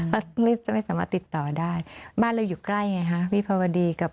ก็ไม่สามารถติดต่อได้บ้านเราอยู่ใกล้ไงฮะวิภาวดีกับ